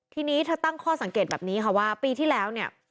ทีนี้เธอตั้งข้อสังเกตแบบนี้ค่ะว่าปีที่แล้วเนี่ย